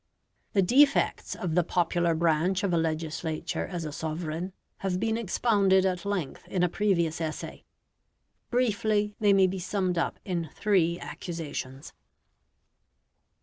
The defects of the popular branch of a legislature as a sovereign have been expounded at length in a previous essay. Briefly, they may be summed up in three accusations.